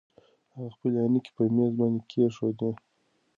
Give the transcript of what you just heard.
هغه خپلې عینکې په مېز باندې کېښودې.